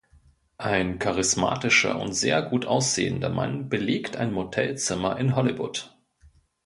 Ein charismatischer und sehr gut aussehender Mann belegt ein Motelzimmer in Hollywood.